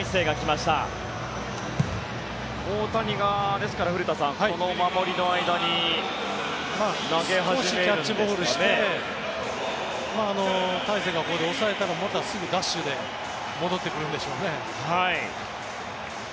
ですから、大谷が古田さんこの守りの間に少しキャッチボールして大勢がここで抑えたらまたすぐダッシュで戻ってくるんでしょうね。